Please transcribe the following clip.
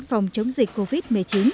phòng chống dịch covid một mươi chín